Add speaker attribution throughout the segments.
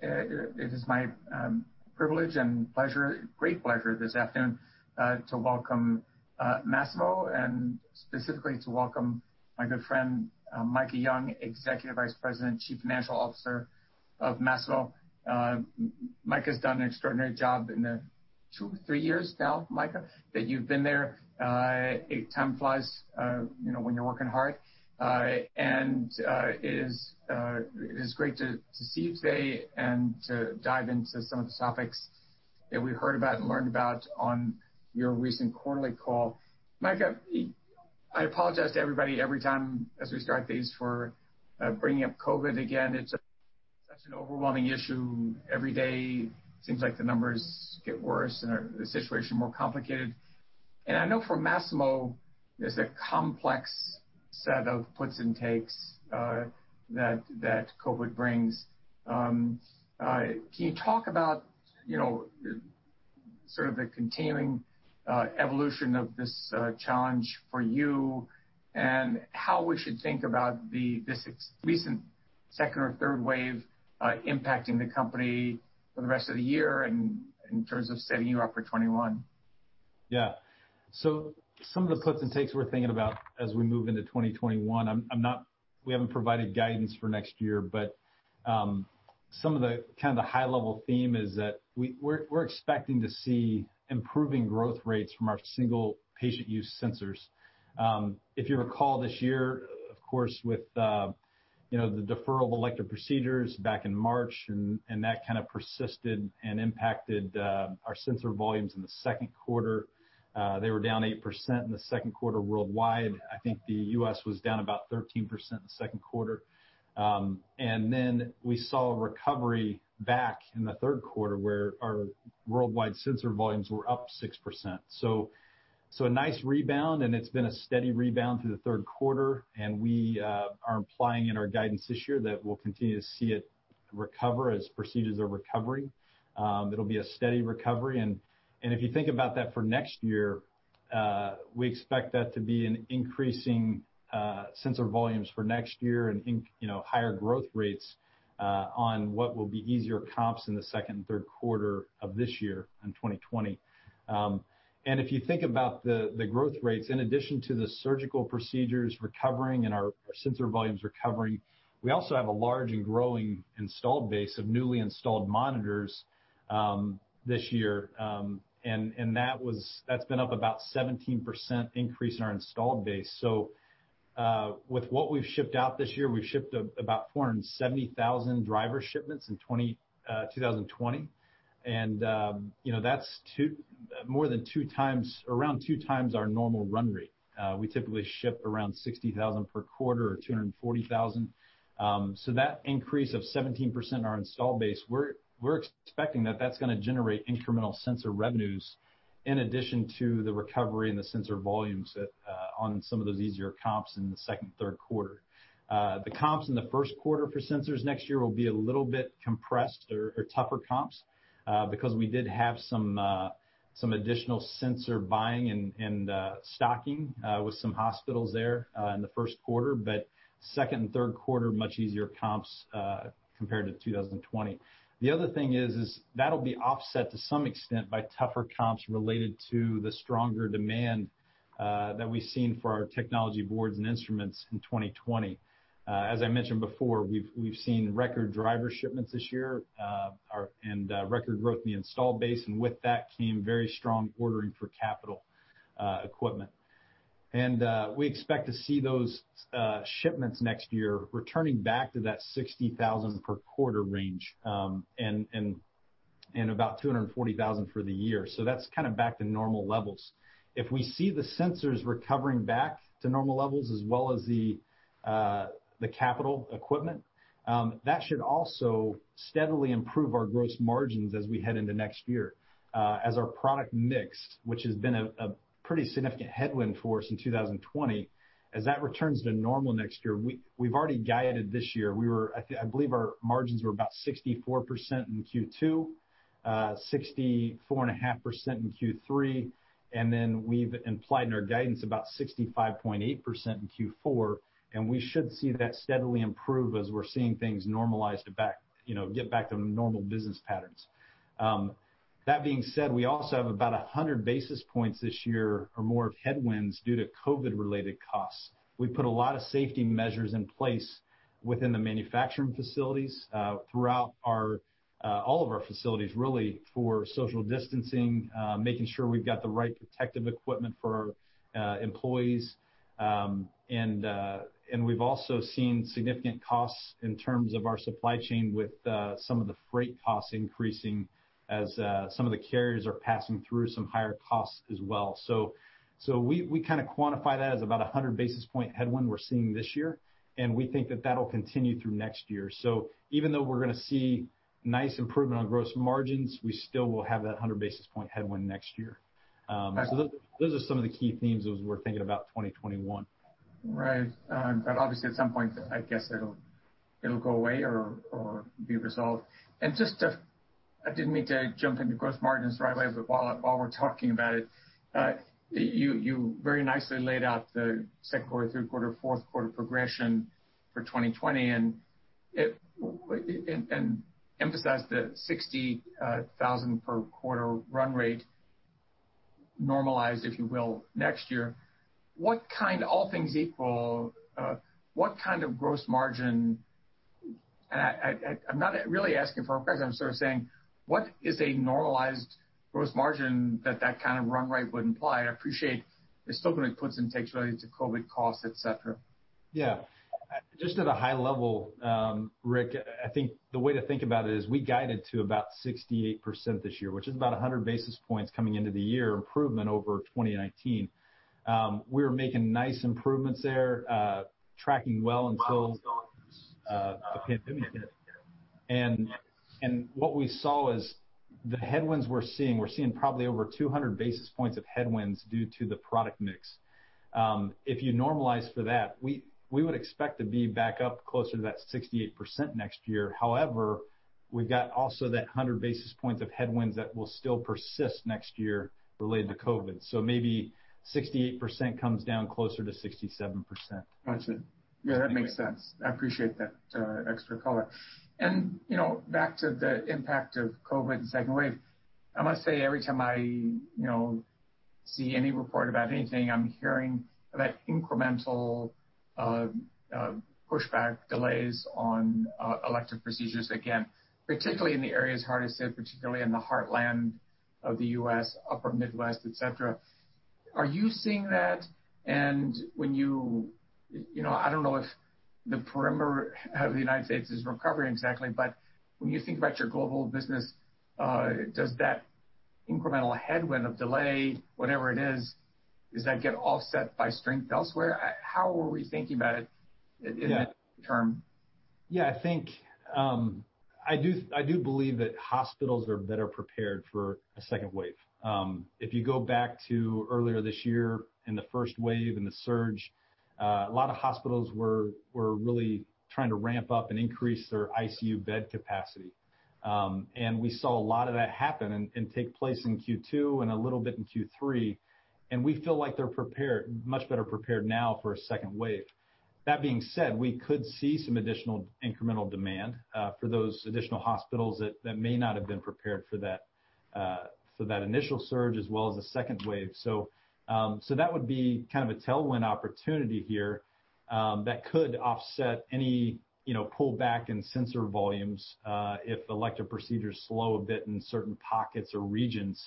Speaker 1: It is my privilege and pleasure, great pleasure this afternoon, to welcome Masimo and specifically to welcome my good friend, Micah Young, Executive Vice President, Chief Financial Officer of Masimo. Micah's done an extraordinary job in the two or three years now, Micah, that you've been there. Time flies when you're working hard, and it is great to see you today and to dive into some of the topics that we heard about and learned about on your recent quarterly call. Micah, I apologize to everybody every time as we start these for bringing up COVID again. It's such an overwhelming issue every day. It seems like the numbers get worse and the situation more complicated, and I know for Masimo there's a complex set of puts and takes that COVID brings. Can you talk about sort of the continuing evolution of this challenge for you and how we should think about this recent second or third wave impacting the company for the rest of the year and in terms of setting you up for 2021?
Speaker 2: Yeah. So some of the puts and takes we're thinking about as we move into 2021, we haven't provided guidance for next year, but some of the kind of the high-level theme is that we're expecting to see improving growth rates from our single patient use sensors. If you recall this year, of course, with the deferral of elective procedures back in March and that kind of persisted and impacted our sensor volumes in the second quarter, they were down 8% in the second quarter worldwide. I think the U.S. was down about 13% in the second quarter. And then we saw a recovery back in the third quarter where our worldwide sensor volumes were up 6%. So a nice rebound, and it's been a steady rebound through the third quarter. And we are implying in our guidance this year that we'll continue to see it recover as procedures are recovering. It'll be a steady recovery. And if you think about that for next year, we expect that to be an increasing sensor volumes for next year and higher growth rates on what will be easier comps in the second and third quarter of this year in 2020. And if you think about the growth rates, in addition to the surgical procedures recovering and our sensor volumes recovering, we also have a large and growing installed base of newly installed monitors this year. And that's been up about 17% increase in our installed base. So with what we've shipped out this year, we've shipped about 470,000 driver shipments in 2020. And that's more than around two times our normal run rate. We typically ship around 60,000 per quarter or 240,000. So, that increase of 17% in our installed base, we're expecting that that's going to generate incremental sensor revenues in addition to the recovery in the sensor volumes on some of those easier comps in the second and third quarter. The comps in the first quarter for sensors next year will be a little bit compressed or tougher comps because we did have some additional sensor buying and stocking with some hospitals there in the first quarter, but second and third quarter, much easier comps compared to 2020. The other thing is that'll be offset to some extent by tougher comps related to the stronger demand that we've seen for our technology boards and instruments in 2020. As I mentioned before, we've seen record driver shipments this year and record growth in the installed base. And with that came very strong ordering for capital equipment. We expect to see those shipments next year returning back to that 60,000 per quarter range and about 240,000 for the year. So that's kind of back to normal levels. If we see the sensors recovering back to normal levels as well as the capital equipment, that should also steadily improve our gross margins as we head into next year. As our product mix, which has been a pretty significant headwind for us in 2020, as that returns to normal next year, we've already guided this year. I believe our margins were about 64% in Q2, 64.5% in Q3. And then we've implied in our guidance about 65.8% in Q4. And we should see that steadily improve as we're seeing things normalize to get back to normal business patterns. That being said, we also have about 100 basis points this year or more of headwinds due to COVID-related costs. We put a lot of safety measures in place within the manufacturing facilities throughout all of our facilities, really for social distancing, making sure we've got the right protective equipment for our employees, and we've also seen significant costs in terms of our supply chain with some of the freight costs increasing as some of the carriers are passing through some higher costs as well, so we kind of quantify that as about 100 basis point headwind we're seeing this year, and we think that that'll continue through next year, so even though we're going to see nice improvement on gross margins, we still will have that 100 basis point headwind next year, so those are some of the key themes as we're thinking about 2021. Right. But obviously at some point, I guess it'll go away or be resolved, and just to, I didn't mean to jump into gross margins right away, but while we're talking about it, you very nicely laid out the second quarter, third quarter, fourth quarter progression for 2020 and emphasized the 60,000 per quarter run rate normalized, if you will, next year. All things equal, what kind of gross margin? I'm not really asking for a price, I'm sort of saying what is a normalized gross margin that that kind of run rate would imply? I appreciate there's still going to be puts and takes related to COVID costs, etc. Yeah. Just at a high level, Rick, I think the way to think about it is we guided to about 68% this year, which is about 100 basis points coming into the year improvement over 2019. We were making nice improvements there, tracking well until the pandemic hit. And what we saw is the headwinds we're seeing, we're seeing probably over 200 basis points of headwinds due to the product mix. If you normalize for that, we would expect to be back up closer to that 68% next year. However, we've got also that 100 basis points of headwinds that will still persist next year related to COVID. So maybe 68% comes down closer to 67%. Gotcha. Yeah, that makes sense. I appreciate that extra color. And back to the impact of COVID and second wave, I must say every time I see any report about anything, I'm hearing about incremental pushback delays on elective procedures again, particularly in the areas hardest hit, particularly in the heartland of the U.S., Upper Midwest, etc. Are you seeing that? And when you, I don't know if the perimeter of the United States is recovering exactly, but when you think about your global business, does that incremental headwind of delay, whatever it is, does that get offset by strength elsewhere? How are we thinking about it in the long term? Yeah, I think I do believe that hospitals are better prepared for a second wave. If you go back to earlier this year in the first wave and the surge, a lot of hospitals were really trying to ramp up and increase their ICU bed capacity. And we saw a lot of that happen and take place in Q2 and a little bit in Q3. And we feel like they're much better prepared now for a second wave. That being said, we could see some additional incremental demand for those additional hospitals that may not have been prepared for that initial surge as well as the second wave. So that would be kind of a tailwind opportunity here that could offset any pullback in sensor volumes if elective procedures slow a bit in certain pockets or regions,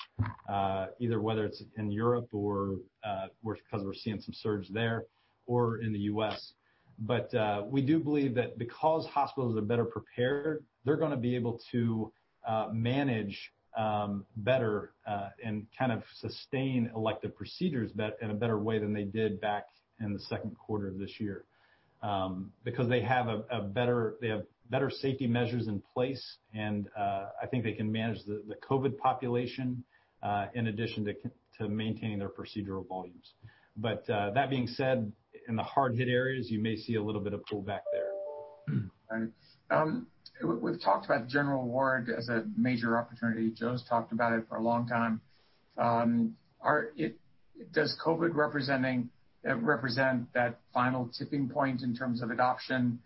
Speaker 2: either whether it's in Europe because we're seeing some surge there or in the U.S. But we do believe that because hospitals are better prepared, they're going to be able to manage better and kind of sustain elective procedures in a better way than they did back in the second quarter of this year because they have better safety measures in place. And I think they can manage the COVID population in addition to maintaining their procedural volumes. But that being said, in the hard-hit areas, you may see a little bit of pullback there. Right. We've talked about the general ward as a major opportunity. Joe's talked about it for a long time. Does COVID represent that final tipping point in terms of adoption?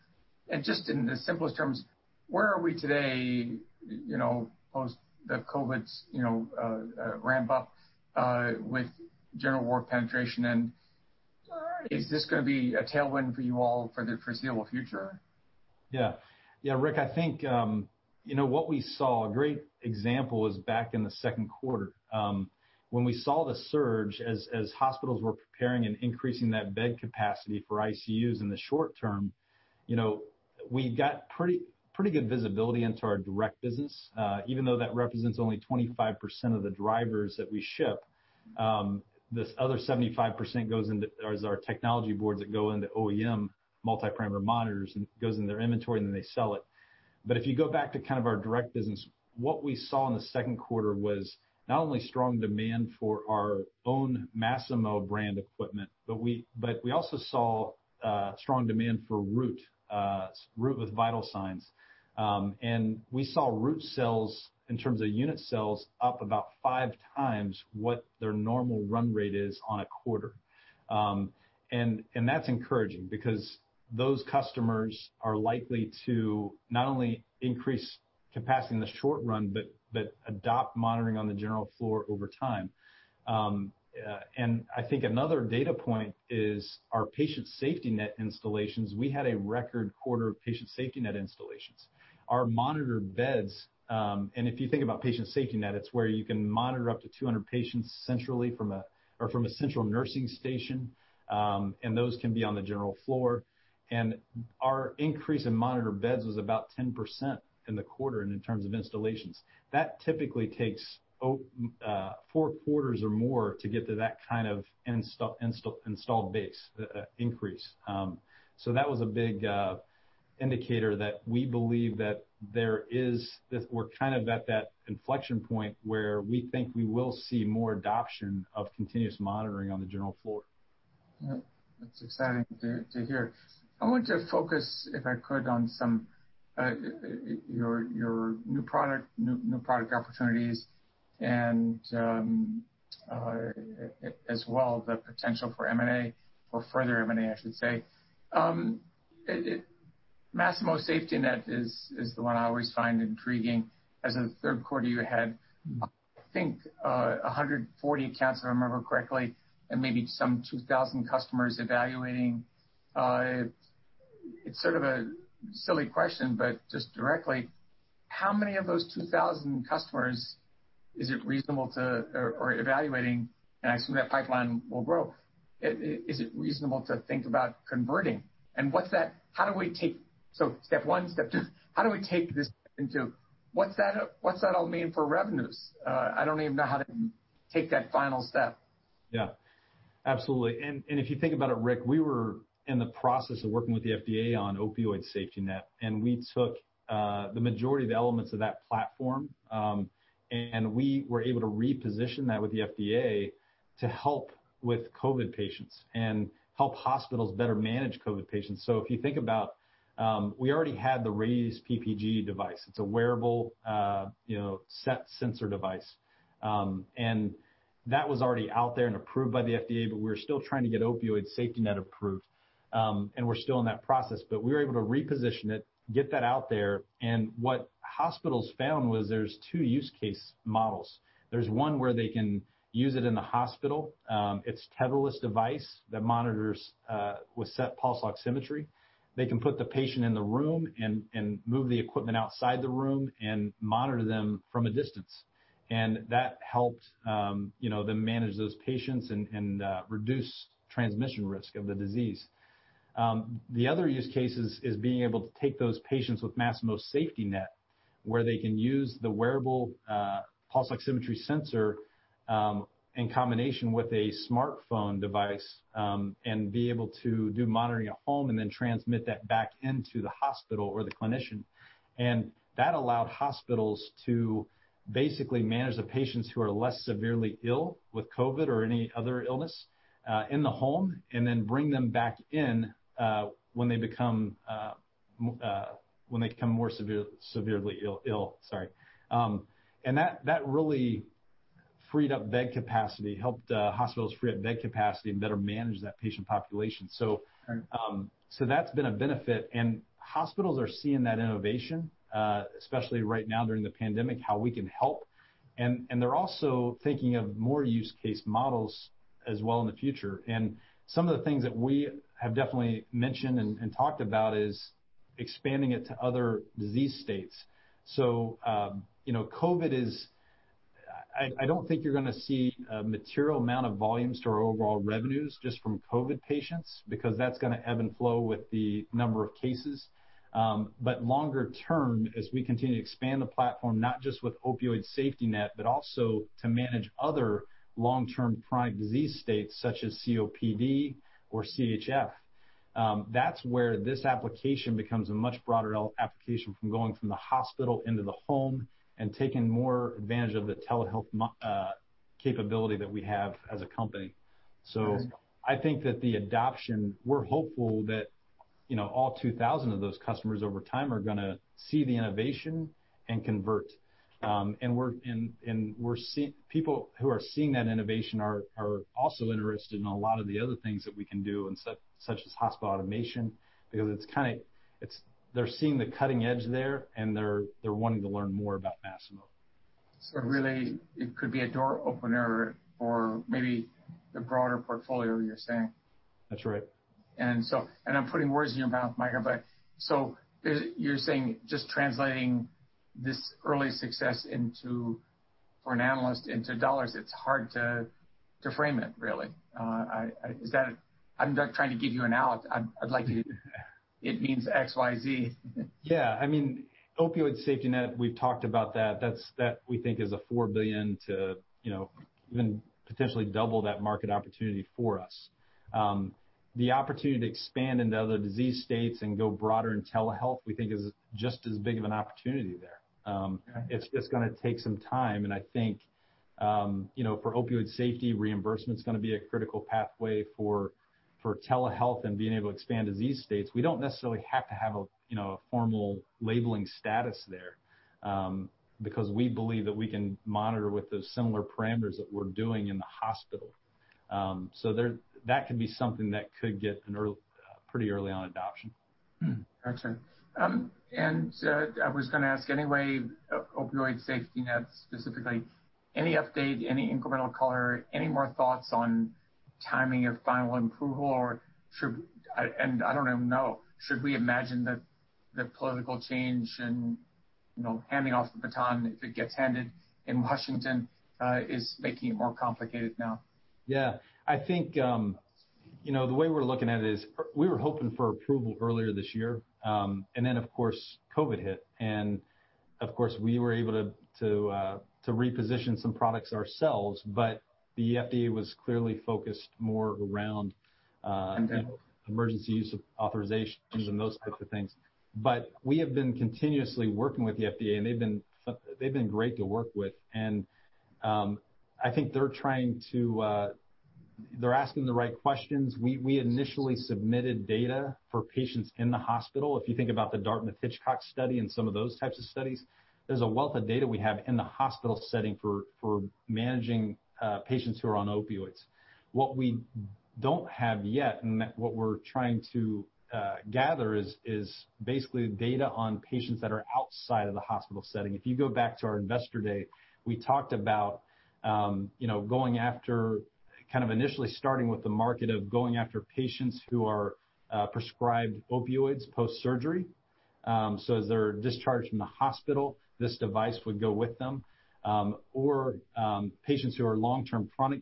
Speaker 2: And just in the simplest terms, where are we today post the COVID ramp-up with general ward penetration? And is this going to be a tailwind for you all for the foreseeable future? Yeah. Yeah, Rick, I think what we saw, a great example, was back in the second quarter. When we saw the surge as hospitals were preparing and increasing that bed capacity for ICUs in the short term, we got pretty good visibility into our direct business. Even though that represents only 25% of the drivers that we ship, this other 75% goes into our technology boards that go into OEM multi-parameter monitors and goes into their inventory and then they sell it. But if you go back to kind of our direct business, what we saw in the second quarter was not only strong demand for our own Masimo brand equipment, but we also saw strong demand for Root with vital signs. And we saw Root sales in terms of unit sales up about five times what their normal run rate is on a quarter. That's encouraging because those customers are likely to not only increase capacity in the short run, but adopt monitoring on the general floor over time. I think another data point is our Patient SafetyNet installations. We had a record quarter of Patient SafetyNet installations. Our monitor beds, and if you think about Patient SafetyNet, it's where you can monitor up to 200 patients centrally or from a central nursing station. Those can be on the general floor. Our increase in monitor beds was about 10% in the quarter in terms of installations. That typically takes four quarters or more to get to that kind of installed base increase. So that was a big indicator that we believe that we're kind of at that inflection point where we think we will see more adoption of continuous monitoring on the general floor. That's exciting to hear. I want to focus, if I could, on some of your new product opportunities and as well the potential for M&A, or further M&A, I should say. Masimo SafetyNet is the one I always find intriguing. As of the third quarter you had, I think 140 accounts, if I remember correctly, and maybe some 2,000 customers evaluating. It's sort of a silly question, but just directly, how many of those 2,000 customers is it reasonable to evaluate? And I assume that pipeline will grow. Is it reasonable to think about converting? And how do we take step one, step two? How do we take this step into what's that all mean for revenues? I don't even know how to take that final step. Yeah. Absolutely. And if you think about it, Rick, we were in the process of working with the FDA on Opioid SafetyNet. And we took the majority of the elements of that platform. And we were able to reposition that with the FDA to help with COVID patients and help hospitals better manage COVID patients. So if you think about it, we already had the Radius PPG device. It's a wearable SET sensor device. And that was already out there and approved by the FDA, but we were still trying to get Opioid SafetyNet approved. And we're still in that process, but we were able to reposition it, get that out there. And what hospitals found was there's two use case models. There's one where they can use it in the hospital. It's a tetherless device that monitors with SET pulse oximetry. They can put the patient in the room and move the equipment outside the room and monitor them from a distance. And that helped them manage those patients and reduce transmission risk of the disease. The other use case is being able to take those patients with Masimo SafetyNet, where they can use the wearable pulse oximetry sensor in combination with a smartphone device and be able to do monitoring at home and then transmit that back into the hospital or the clinician. And that allowed hospitals to basically manage the patients who are less severely ill with COVID or any other illness in the home and then bring them back in when they become more severely ill. Sorry. And that really freed up bed capacity, helped hospitals free up bed capacity and better manage that patient population. So that's been a benefit. And hospitals are seeing that innovation, especially right now during the pandemic, how we can help. And they're also thinking of more use case models as well in the future. And some of the things that we have definitely mentioned and talked about is expanding it to other disease states. So COVID is, I don't think you're going to see a material amount of volumes to our overall revenues just from COVID patients because that's going to ebb and flow with the number of cases. But longer term, as we continue to expand the platform, not just with Opioid SafetyNet, but also to manage other long-term chronic disease states such as COPD or CHF, that's where this application becomes a much broader application from going from the hospital into the home and taking more advantage of the telehealth capability that we have as a company. So I think that the adoption, we're hopeful that all 2,000 of those customers over time are going to see the innovation and convert. And people who are seeing that innovation are also interested in a lot of the other things that we can do, such as hospital automation, because they're seeing the cutting edge there and they're wanting to learn more about Masimo. So really, it could be a door opener for maybe the broader portfolio you're saying. That's right. I'm putting words in your mouth, Michael, but so you're saying just translating this early success for an analyst into dollars, it's hard to frame it, really. I'm not trying to give you an out. I'd like you to, it means X, Y, Z. Yeah. I mean, Opioid SafetyNet, we've talked about that. That we think is a $4 billion to even potentially double that market opportunity for us. The opportunity to expand into other disease states and go broader in telehealth, we think is just as big of an opportunity there. It's just going to take some time, and I think for Opioid SafetyNet, reimbursement is going to be a critical pathway for telehealth and being able to expand disease states. We don't necessarily have to have a formal labeling status there because we believe that we can monitor with those similar parameters that we're doing in the hospital. So that can be something that could get pretty early on adoption. Gotcha. And I was going to ask anyway, Opioid SafetyNet specifically, any update, any incremental color, any more thoughts on timing of final approval? And I don't even know, should we imagine that the political change and handing off the baton, if it gets handed in Washington, is making it more complicated now? Yeah. I think the way we're looking at it is we were hoping for approval earlier this year. And then, of course, COVID hit. And of course, we were able to reposition some products ourselves, but the FDA was clearly focused more around emergency use authorizations and those types of things. But we have been continuously working with the FDA, and they've been great to work with. And I think they're trying to, they're asking the right questions. We initially submitted data for patients in the hospital. If you think about the Dartmouth-Hitchcock study and some of those types of studies, there's a wealth of data we have in the hospital setting for managing patients who are on opioids. What we don't have yet, and what we're trying to gather is basically data on patients that are outside of the hospital setting. If you go back to our investor day, we talked about going after, kind of initially starting with the market of going after patients who are prescribed opioids post-surgery, so as they're discharged from the hospital, this device would go with them, or patients who are long-term chronic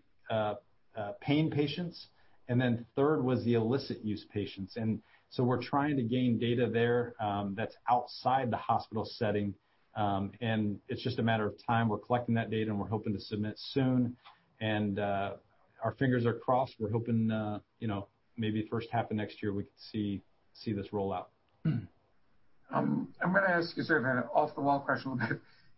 Speaker 2: pain patients, and then third was the illicit use patients, and so we're trying to gain data there that's outside the hospital setting, and it's just a matter of time. We're collecting that data, and we're hoping to submit soon, and our fingers are crossed. We're hoping maybe first half of next year we could see this roll out. I'm going to ask you sort of an off-the-wall question a little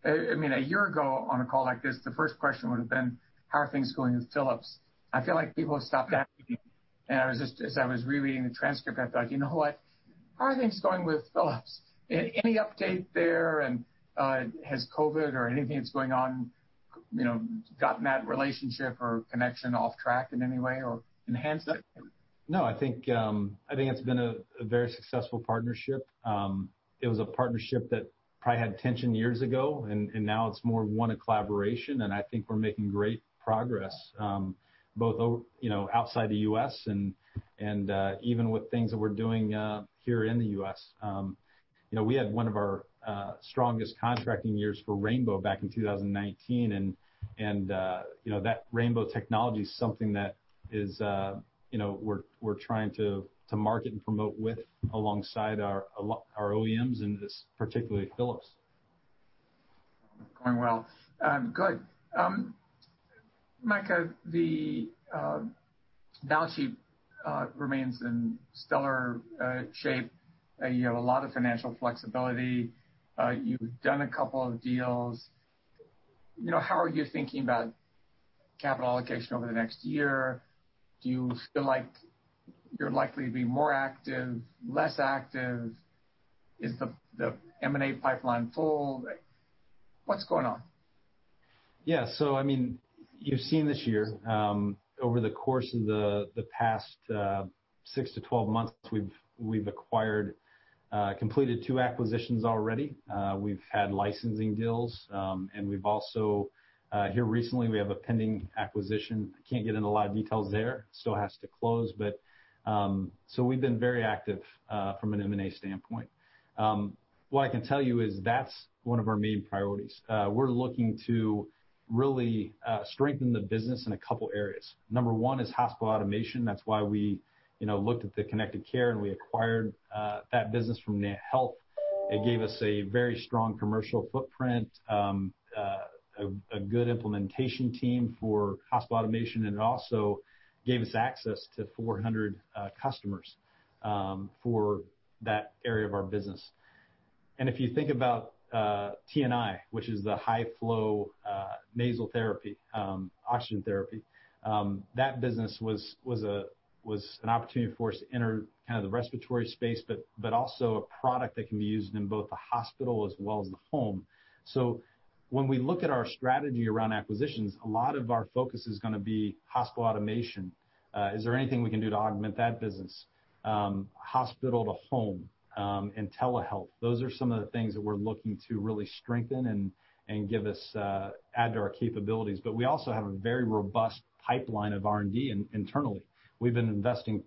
Speaker 2: bit. I mean, a year ago on a call like this, the first question would have been, how are things going with Philips? I feel like people have stopped asking. And as I was rereading the transcript, I thought, you know what, how are things going with Philips? Any update there? And has COVID or anything that's going on gotten that relationship or connection off track in any way or enhanced it? No, I think it's been a very successful partnership. It was a partnership that probably had tension years ago, and now it's more of one of collaboration, and I think we're making great progress both outside the U.S. and even with things that we're doing here in the U.S. We had one of our strongest contracting years for Rainbow back in 2019, and that Rainbow technology is something that we're trying to market and promote alongside our OEMs, and particularly Philips. Going well. Good. Micah, the balance sheet remains in stellar shape. You have a lot of financial flexibility. You've done a couple of deals. How are you thinking about capital allocation over the next year? Do you feel like you're likely to be more active, less active? Is the M&A pipeline full? What's going on? Yeah. So I mean, you've seen this year. Over the course of the past 6 to 12 months, we've acquired, completed two acquisitions already. We've had licensing deals. And we've also, here recently, we have a pending acquisition. I can't get into a lot of details there. It still has to close. So we've been very active from an M&A standpoint. What I can tell you is that's one of our main priorities. We're looking to really strengthen the business in a couple of areas. Number one is hospital automation. That's why we looked at Connected Care and we acquired that business from NantHealth. It gave us a very strong commercial footprint, a good implementation team for hospital automation, and it also gave us access to 400 customers for that area of our business. And if you think about TNI, which is the high-flow nasal therapy, oxygen therapy, that business was an opportunity for us to enter kind of the respiratory space, but also a product that can be used in both the hospital as well as the home. So when we look at our strategy around acquisitions, a lot of our focus is going to be hospital automation. Is there anything we can do to augment that business? Hospital to home and telehealth. Those are some of the things that we're looking to really strengthen and give us and add to our capabilities. But we also have a very robust pipeline of R&D internally. We've been investing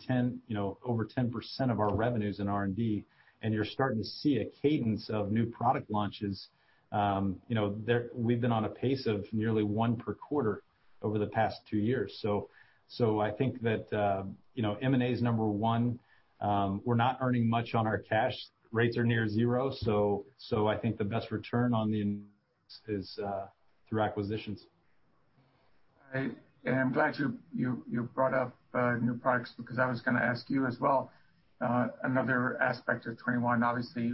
Speaker 2: over 10% of our revenues in R&D. And you're starting to see a cadence of new product launches. We've been on a pace of nearly one per quarter over the past two years. So I think that M&A is number one. We're not earning much on our cash. Rates are near zero. So I think the best return on the investment is through acquisitions. And I'm glad you brought up new products because I was going to ask you as well. Another aspect of 2021, obviously,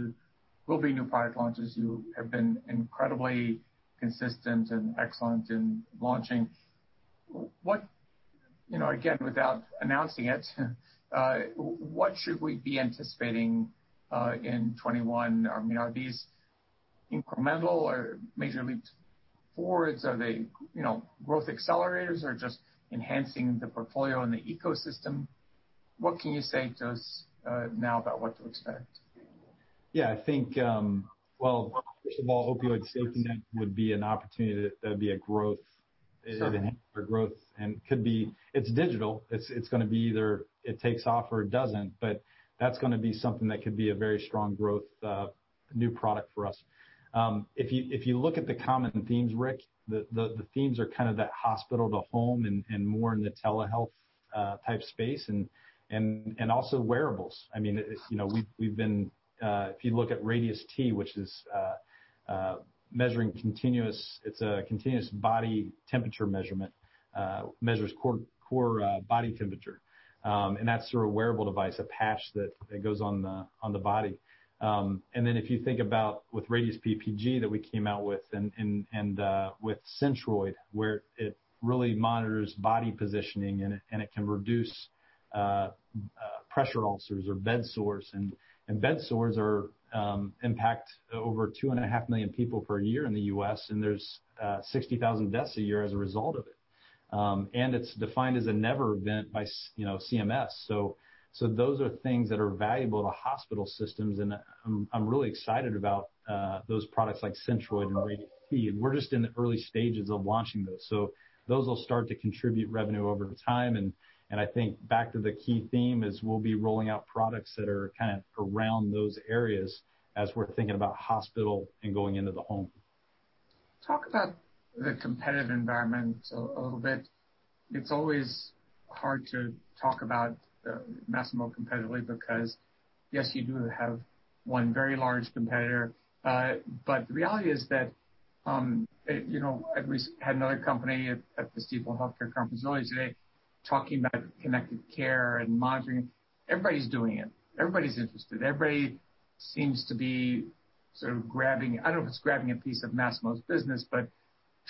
Speaker 2: will be new product launches. You have been incredibly consistent and excellent in launching. Again, without announcing it, what should we be anticipating in 2021? I mean, are these incremental or major leaps forwards? Are they growth accelerators or just enhancing the portfolio and the ecosystem? What can you say to us now about what to expect? Yeah. I think, well, first of all, Opioid SafetyNet would be an opportunity that would be a growth, an enhancement of growth. And it's digital. It's going to be either it takes off or it doesn't. But that's going to be something that could be a very strong growth new product for us. If you look at the common themes, Rick, the themes are kind of that hospital to home and more in the telehealth type space and also wearables. I mean, we've been, if you look at Radius T, which is measuring continuous, it's a continuous body temperature measurement, measures core body temperature. And that's through a wearable device, a patch that goes on the body. And then if you think about with Radius PPG that we came out with and with Centroid, where it really monitors body positioning and it can reduce pressure ulcers or bedsores. And bedsores impact over two and a half million people per year in the U.S., and there's 60,000 deaths a year as a result of it. And it's defined as a never event by CMS. So those are things that are valuable to hospital systems. And I'm really excited about those products like Centroid and Radius T. And we're just in the early stages of launching those. So those will start to contribute revenue over time. And I think back to the key theme is we'll be rolling out products that are kind of around those areas as we're thinking about hospital and going into the home. Talk about the competitive environment a little bit. It's always hard to talk about Masimo competitively because, yes, you do have one very large competitor. But the reality is that we had another company at the Stifel Healthcare Conference earlier today talking about connected care and monitoring. Everybody's doing it. Everybody's interested. Everybody seems to be sort of grabbing, I don't know if it's grabbing a piece of Masimo's business, but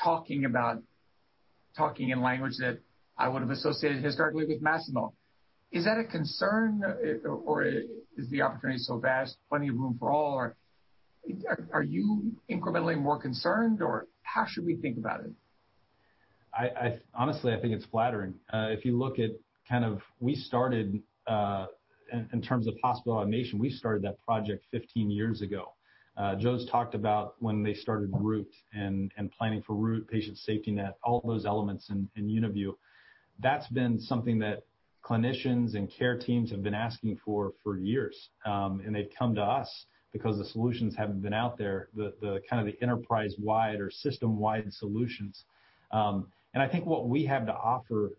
Speaker 2: talking in language that I would have associated historically with Masimo. Is that a concern or is the opportunity so vast, plenty of room for all? Are you incrementally more concerned or how should we think about it? Honestly, I think it's flattering. If you look at kind of, we started in terms of hospital automation, we started that project 15 years ago. Joe's talked about when they started Root and planning for Root, Patient SafetyNet, all those elements in UniView. That's been something that clinicians and care teams have been asking for for years. And they've come to us because the solutions haven't been out there, kind of the enterprise-wide or system-wide solutions. And I think what we have to offer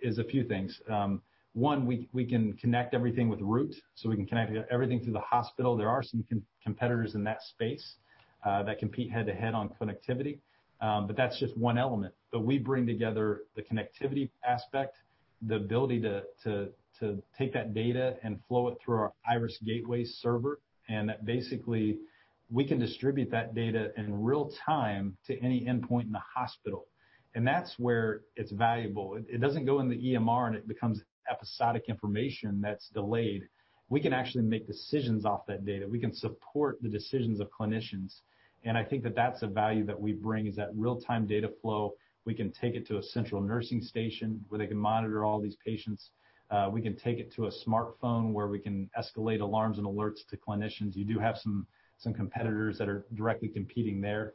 Speaker 2: is a few things. One, we can connect everything with Root. So we can connect everything through the hospital. There are some competitors in that space that compete head-to-head on connectivity. But that's just one element. But we bring together the connectivity aspect, the ability to take that data and flow it through our Iris Gateway server. And that basically we can distribute that data in real time to any endpoint in the hospital. And that's where it's valuable. It doesn't go in the EMR and it becomes episodic information that's delayed. We can actually make decisions off that data. We can support the decisions of clinicians. And I think that that's a value that we bring is that real-time data flow. We can take it to a central nursing station where they can monitor all these patients. We can take it to a smartphone where we can escalate alarms and alerts to clinicians. You do have some competitors that are directly competing there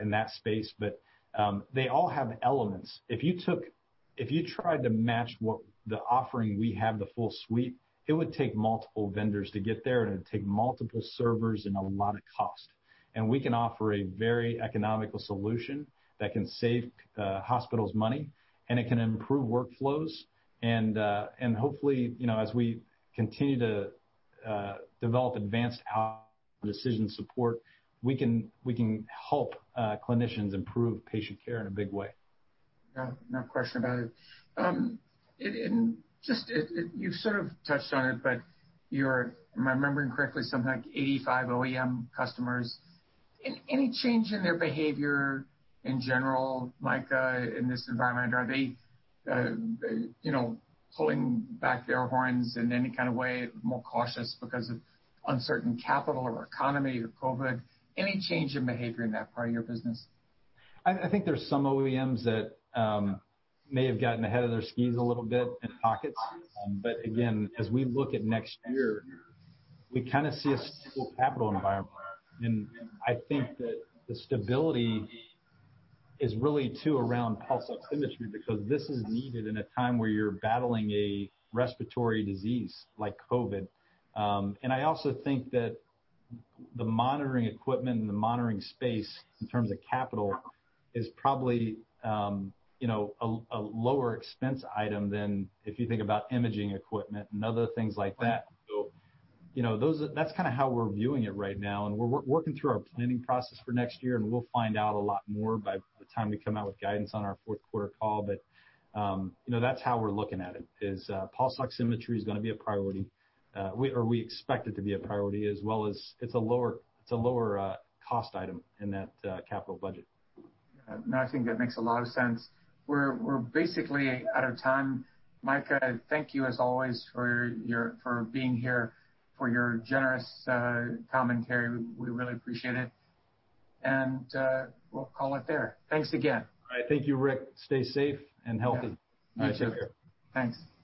Speaker 2: in that space. But they all have elements. If you tried to match the offering we have, the full suite, it would take multiple vendors to get there, and it would take multiple servers and a lot of cost. We can offer a very economical solution that can save hospitals money, and it can improve workflows. Hopefully, as we continue to develop advanced outcome decision support, we can help clinicians improve patient care in a big way. No question about it, and just you've sort of touched on it, but you're, if I'm remembering correctly, something like 85 OEM customers. Any change in their behavior in general, Michael, in this environment? Are they pulling in their horns in any kind of way, more cautious because of uncertain capital or economy or COVID? Any change in behavior in that part of your business? I think there's some OEMs that may have gotten ahead of their skis a little bit in pockets. But again, as we look at next year, we kind of see a stable capital environment. And I think that the stability is really too around pulse oximetry because this is needed in a time where you're battling a respiratory disease like COVID. And I also think that the monitoring equipment and the monitoring space in terms of capital is probably a lower expense item than if you think about imaging equipment and other things like that. So that's kind of how we're viewing it right now. And we're working through our planning process for next year, and we'll find out a lot more by the time we come out with guidance on our fourth quarter call. But that's how we're looking at it, is pulse oximetry is going to be a priority, or we expect it to be a priority, as well as it's a lower cost item in that capital budget. No, I think that makes a lot of sense. We're basically out of time. Michael, thank you as always for being here, for your generous commentary. We really appreciate it. And we'll call it there. Thanks again. All right. Thank you, Rick. Stay safe and healthy. All right. Take care. You too. Thanks. Bye.